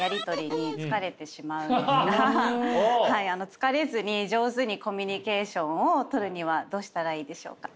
疲れずに上手にコミュニケーションを取るにはどうしたらいいでしょうか？